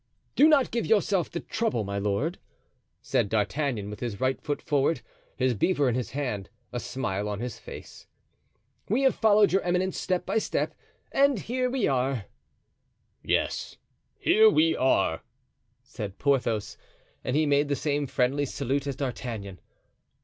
"Do not give yourself the trouble, my lord," said D'Artagnan, with his right foot forward, his beaver in his hand, a smile on his face, "we have followed your eminence step by step and here we are." "Yes—here we are," said Porthos. And he made the same friendly salute as D'Artagnan.